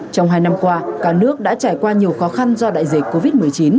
trong hai năm qua cả nước đã trải qua nhiều khó khăn do đại dịch covid một mươi chín